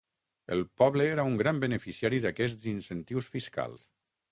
El poble era un gran beneficiari d'aquests incentius fiscals.